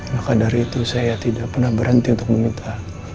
maka dari itu saya tidak pernah berhenti untuk meminta